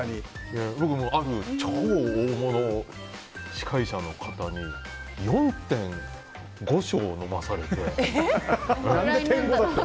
僕も、ある超大物司会者の方に４．５升飲まされて。